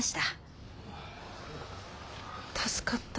助かった。